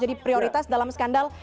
jadi prioritas dalam skandal